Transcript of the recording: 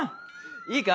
いいか？